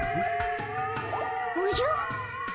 おじゃ？